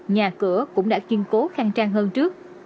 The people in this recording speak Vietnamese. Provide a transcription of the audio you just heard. nhà cửa cũng đã kiên cố khăng trang hơn trước